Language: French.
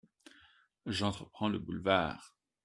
J’entreprends le boulevard…